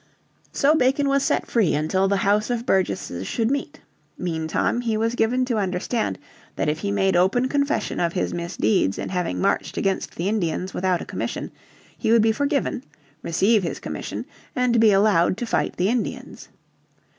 So Bacon was set free until the House of Burgesses should meet. Meantime he was given to understand that if he made open confession of his misdeeds in having marched against the Indians without a commission, he would be forgiven, receive his commission, and be allowed to fight the Indians.